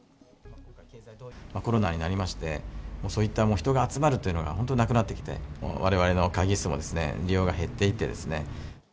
コロナになりまして、そういった人が集まるというのが本当、なくなってきて、われわれの会議室も利用が減っていってですね。